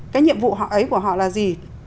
cái nhiệm vụ ấy của họ là gì